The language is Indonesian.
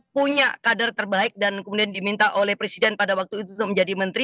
punya kader terbaik dan kemudian diminta oleh presiden pada waktu itu menjadi menteri